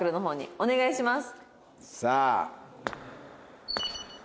お願いします。